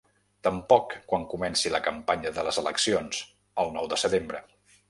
Tampoc quan comenci la campanya de les eleccions, el nou de setembre.